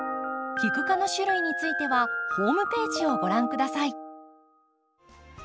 キク科の種類についてはホームページをご覧下さい。